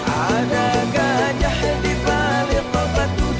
ada gajahnya di balir palpatu